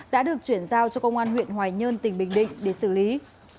đã được chuyển giao cho công an huyện hoài nhơn tỉnh bình định để xử lý